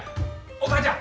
お母ちゃん！